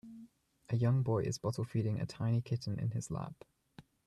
A young boy is bottle feeding a tiny kitten in his lap.